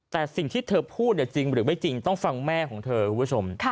แต่สิ่งที่เธอพูดจริงหรือไม่จริงต้องฟังแม่ของเธอคุณผู้ชม